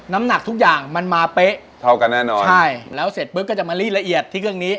น้ำหนักทุกอย่างมันมาเป๊ะเท่ากันแน่นอนใช่แล้วเสร็จปุ๊บก็จะมาลีดละเอียดที่เครื่องนี้